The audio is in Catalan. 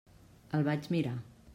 El vaig mirar.